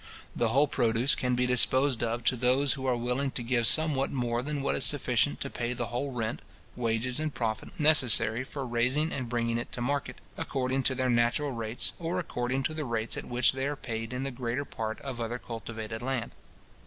The whole produce can be disposed of to those who are willing to give somewhat more than what is sufficient to pay the whole rent, wages, and profit, necessary for raising and bringing it to market, according to their natural rates, or according to the rates at which they are paid in the greater part of other cultivated land.